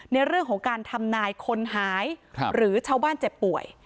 ในเรื่องของการทำนายคนหายหรือชาวบ้านเจ็บป่วย